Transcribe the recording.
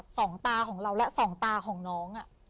สองตาของเราและสองตาของน้อง